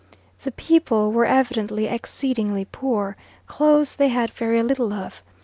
The people were evidently exceedingly poor; clothes they had very little of.